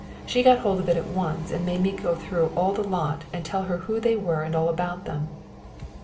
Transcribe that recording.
She got hold of it at once and made me go through all the lot and tell her who they were and all about them."